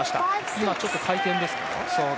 今、ちょっと回転ですか。